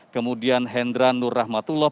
kemudian hendran nur rahmatullah